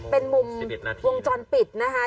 เป็นมุมวงจรปิดนะคะ